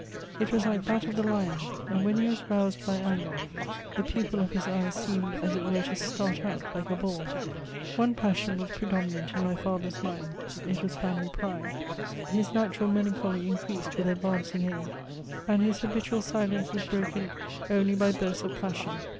It was like that of the lion ; and when he was roused by anger, the pupil of his eye seemed as it were to start out like a ball. One passion was predominant in my father* s mind — it was family pride. His natural melancholy increased with advanc ing age, and his habitual silence was broken only by bursts of passion.